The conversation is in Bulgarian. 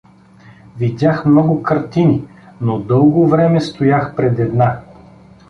Видях много картини, но дълго време стоях пред една.